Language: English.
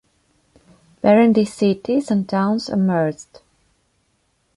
Berendei cities and towns emerged.